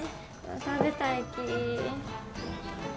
食べたいき。